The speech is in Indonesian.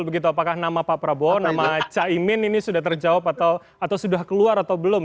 begitu apakah nama pak prabowo nama caimin ini sudah terjawab atau sudah keluar atau belum